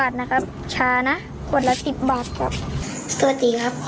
ถนน๓๐ครับ